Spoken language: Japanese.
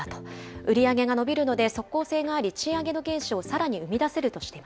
売り上げが伸びるので即効性があり、賃上げの原資をさらに生み出せるとしている。